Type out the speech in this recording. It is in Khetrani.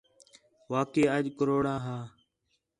واقعی اَج کروڑا ہا